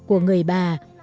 của người bà